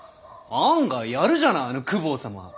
案外やるじゃないあの公方様。